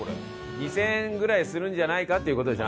２０００円ぐらいするんじゃないかっていう事でしょ